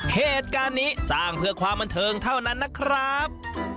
เหตุการณ์นี้สร้างเพื่อความบันเทิงเท่านั้นนะครับ